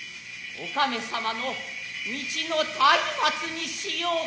お亀様の路の松明にしようから。